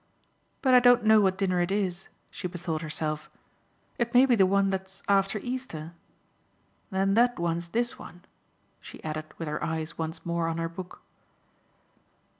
"But I don't know what dinner it is," she bethought herself; "it may be the one that's after Easter. Then that one's this one," she added with her eyes once more on her book.